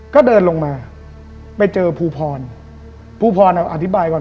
ก็เดินลงมาไปเจอภูพรภูพรเอาอธิบายก่อน